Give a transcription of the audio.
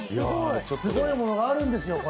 すごいものがあるんですよ、これ。